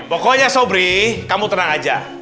pokoknya sobri kamu tenang aja